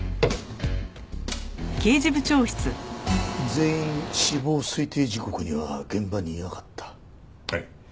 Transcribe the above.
全員死亡推定時刻には現場にいなかった。